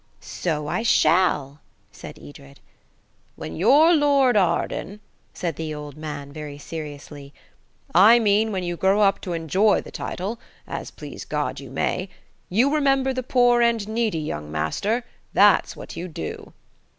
"So I shall," said Edred. "When you're Lord Arden," said the old man very seriously,–"I mean, when you grow up to enjoy the title–as, please God, you may–you remember the poor and needy, young master–that's what you do."